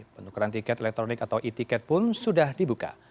penukaran tiket elektronik atau e ticket pun sudah dibuka